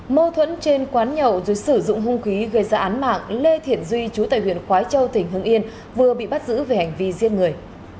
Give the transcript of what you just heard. mâu thuẫn trên quán nhậu dưới sử dụng hung khí gây ra án mạng lê thiện duy chú tại huyện khói châu tỉnh hưng yên vừa bị bắt giữ về hành vi giết người